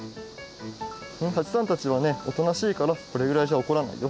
このはちさんたちはねおとなしいからこれぐらいじゃおこらないよ。